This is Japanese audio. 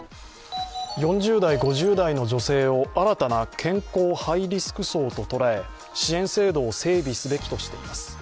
４０代、５０代の女性を新たな健康ハイリスク層と捉え支援制度を整備すべきとしています。